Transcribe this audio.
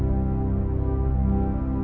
aku mau lihat